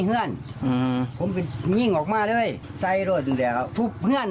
เฮือนอืมผมก็ยิ่งออกมาเลยใส่รถส่วนเดียวทูปเพื่อน